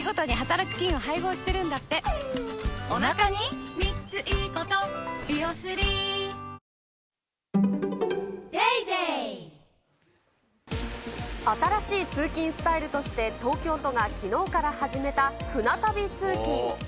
ペイトク新しい通勤スタイルとして東京都がきのうから始めた舟旅通勤。